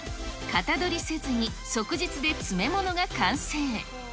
型取りせずに即日で詰め物が完成。